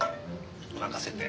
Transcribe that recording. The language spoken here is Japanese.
任せて。